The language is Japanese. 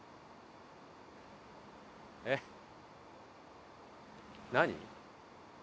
えっ何？